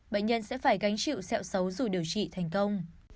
bệnh nhân sẽ phải gánh chịu sẹo xấu dù điều trị thành công